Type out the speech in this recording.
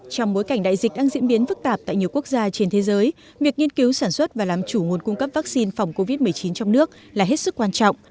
trong bối cảnh đại dịch đang diễn biến phức tạp tại nhiều quốc gia trên thế giới việc nghiên cứu sản xuất và làm chủ nguồn cung cấp vaccine phòng covid một mươi chín trong nước là hết sức quan trọng